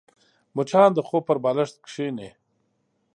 مچان د خوب پر بالښت کښېني